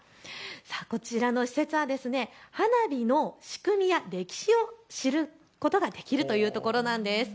こちらの施設は花火の仕組みや歴史を知ることができるというところなんです。